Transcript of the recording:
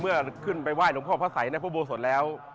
เมื่อขึ้นไปไหว้หลวงพ่อพระสัยในพระโบสถแล้ว